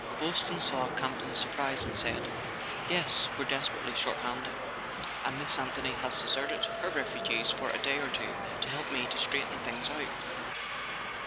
Boylston saw Campton's surprise, and said: "Yes, we're desperately short handed, and Miss Anthony has deserted her refugees for a day or two to help me to straighten things out."